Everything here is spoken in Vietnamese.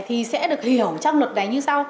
thì sẽ được hiểu trong luật này như sao